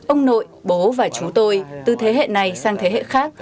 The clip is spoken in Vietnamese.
ông nội bố và chú tôi từ thế hệ này sang thế hệ khác